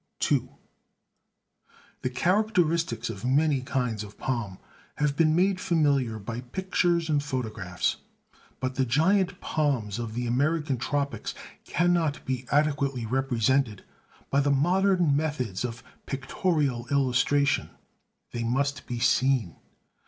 II The characteristics of many kinds of palm have been made familiar by pictures and photographs. But the giant palms of the American tropics cannot be adequately represented by the modern methods of pictorial illustration: they must be seen.